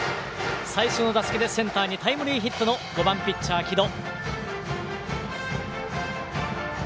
最初の打席でセンターにタイムリーヒットの５番ピッチャー、城戸。